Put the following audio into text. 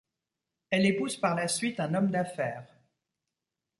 Elle épouse par la suite un homme d'affaires.